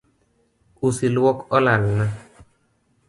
Usi luok olalna